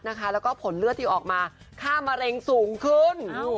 แล้วก็ผลเลือดที่ออกมาค่ามะเร็งสูงขึ้น